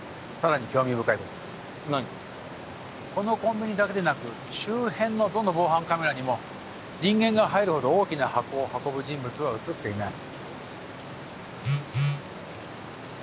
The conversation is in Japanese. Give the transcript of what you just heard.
このコンビニだけでなく周辺のどの防犯カメラにも人間が入るほど大きな箱を運ぶ人物は写っていない。